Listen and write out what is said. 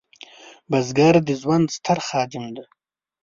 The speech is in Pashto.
بزګر د ژوند ستر خادم دی